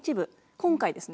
今回ですね